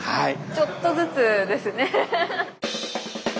ちょっとずつですね。